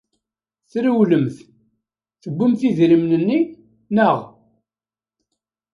Trewlemt, tewwimt idrimen-nni, naɣ?